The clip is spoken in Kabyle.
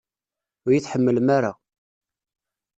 Ur iyi-tḥemmlem ara!